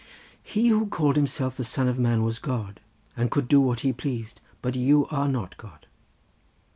"He who called Himself the Son of Man was God, and could do what He pleased, but you are not God."